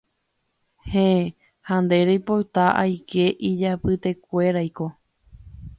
Héẽ ha nde reipota aike ijapytepekuéraiko